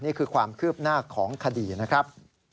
นี่คือความคืบหน้าของคดีนะครับ